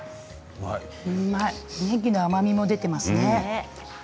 ねぎの甘みも出ていますね。